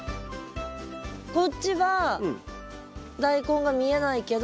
こっちはダイコンが見えないけど。